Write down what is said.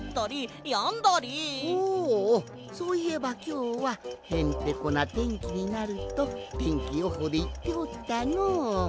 おうおうそういえばきょうはへんてこなてんきになるとてんきよほうでいっておったのう。